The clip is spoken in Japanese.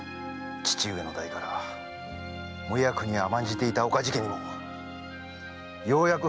父上の代から無役に甘んじていた岡地家にもようやく春が巡ってきたのですよ